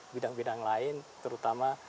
bidang bidang lain terutama